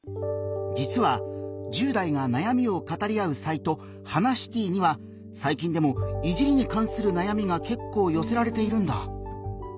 実は１０代がなやみを語り合うサイト「ハナシティ」にはさい近でも「いじり」にかんするなやみが結構よせられているんだ。